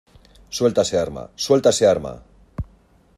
¡ suelta ese arma! ¡ suelta ese arma !